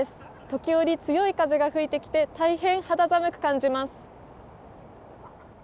時折強い風が吹いてきて大変、肌寒く感じます。